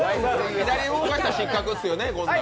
左動かしたら失格ですよね？